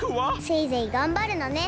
せいぜいがんばるのね。